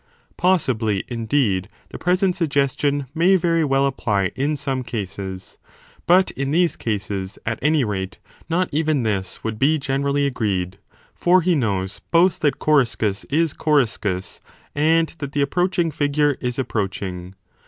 Possibly, indeed, the present suggestion may very well apply in some cases : but in these cases, at any rate, not even this would be generally agreed : for he knows both that Coriscus is Coriscus and that the approaching figure is approaching.